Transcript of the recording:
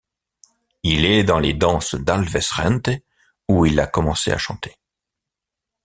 Il est dans les danses d'Alves Rente où il a commencé à chanter.